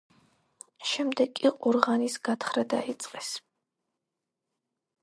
შემდეგ კი ყორღანის გათხრა დაიწყეს.